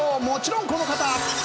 もちろん、この方。